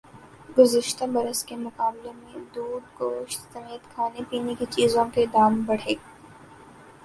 گزشتہ برس کے مقابلے میں دودھ گوشت سمیت کھانے پینے کی چیزوں کے دام بڑھے